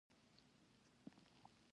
انسانانو ته دا ډول بڼه ارثاً رسېدلې ده.